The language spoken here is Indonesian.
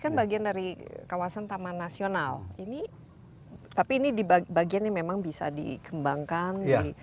kan bagian dari kawasan taman nasional ini tapi ini di bagian yang memang bisa dikembangkan di